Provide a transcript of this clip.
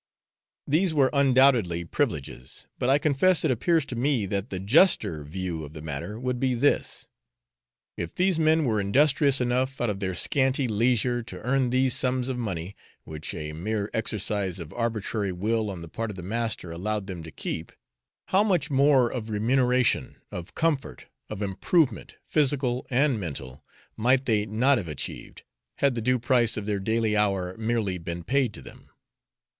These were undoubtedly privileges, but I confess it appears to me that the juster view of the matter would be this if these men were industrious enough out of their scanty leisure to earn these sums of money, which a mere exercise of arbitrary will on the part of the master allowed them to keep, how much more of remuneration, of comfort, of improvement, physical and mental, might they not have achieved, had the due price of their daily labour merely been paid to them?